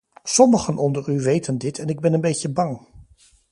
Sommigen onder u weten dit en ik ben een beetje bang.